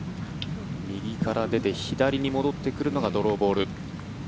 右から出て左に戻ってくるのがドローボール。